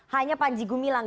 hanya panji gumilang